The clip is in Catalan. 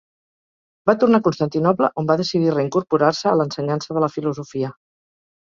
Va tornar a Constantinoble on va decidir reincorporar-se a l'ensenyança de la filosofia.